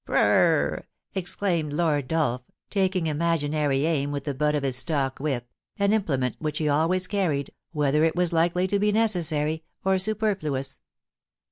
* Pr'r r exclaimed Lord Dolph, taking imaginary aim with the butt of his stock whip, an implement which he always carried, whether it was likely to be necessary or superfluous.